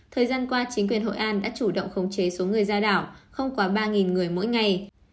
thời gian qua chính quyền hội an đã chủ động khống chế số người ra đảo không quá ba người mỗi ngày